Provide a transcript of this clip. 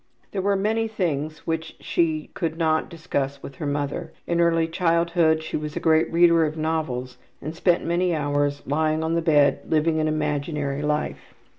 There were many things which she could not discuss with her mother. In early childhood she was a great reader of novels and spent many hours lying on the bed living an imaginary life.